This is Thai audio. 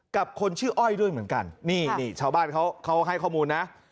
กับคนชื่ออ้อยด้วยเหมือนกันนี่นี่ชาวบ้านเขาให้ข้อมูลนะ